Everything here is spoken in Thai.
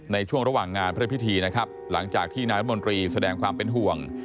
ในช่วงระหว่างงานพระพิธีนะครับหลังจากที่นายรัฐมนตรีแสดงความเป็นห่วง